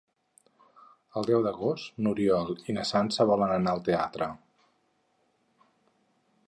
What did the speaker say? El deu d'agost n'Oriol i na Sança volen anar al teatre.